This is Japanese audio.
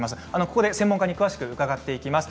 ここで専門家に詳しく伺っていきます。